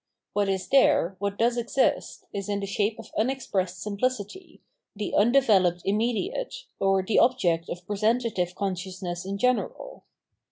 What is there, what does exist, is in the shape of unexpressed simplicity, the im developed immediate, or the object of presentative consciousness in general.